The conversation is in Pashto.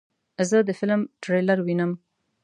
زه د فلم ټریلر وینم.